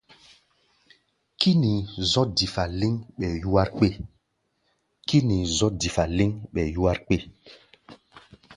Kínii zɔ̧́ difa lɛ́ŋ, ɓɛɛ yúwár kpé.